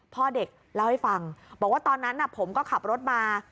พ่อเด็กเล่าให้ฟังบอกว่าตอนนั้นผมก็ขับรถมา